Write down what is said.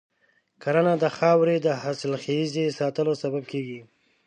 کرنه د خاورې د حاصلخیز ساتلو سبب کېږي.